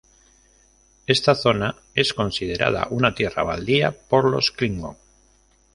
Esta zona es considerada una tierra baldía por los klingon.